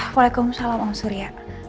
waalaikumsalam om surya